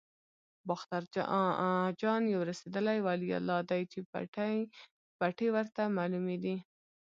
باختر اجان یو رسېدلی ولي الله دی چې پټې ورته معلومې دي.